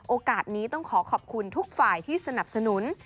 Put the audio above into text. โอกาสนี้ต้องขอขอบคุณทุกฝ่ายที่สนับสนุน